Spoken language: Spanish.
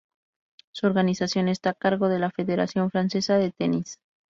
Su organización está a cargo de la Federación Francesa de Tenis.